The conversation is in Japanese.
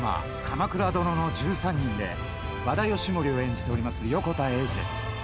「鎌倉殿の１３人」で和田義盛を演じております横田栄司です。